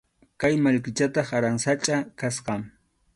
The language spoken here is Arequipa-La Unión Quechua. Kay mallkichataq aransachʼa kasqa.